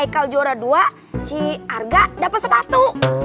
kalo juara dua si arga dapet sepatu